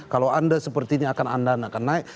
kalau anda sepertinya akan anda akan naik